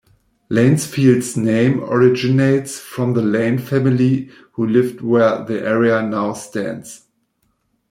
Lanesfield's name originates from the Lane family who lived where the area now stands.